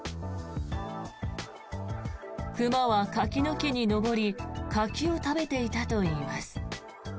熊は柿の木に登り柿を食べていたといいます。